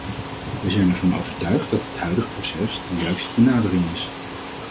Wij zijn ervan overtuigd dat het huidige proces de juiste benadering is.